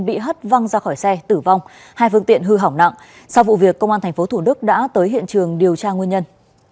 bị hất văng ra khỏi xe tử vong hai phương tiện hư hỏng nặng sau vụ việc công an tp thủ đức đã tới hiện trường điều tra nguyên nhân